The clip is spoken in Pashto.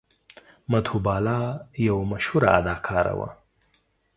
مدهو بالا یوه مشهوره اداکاره وه.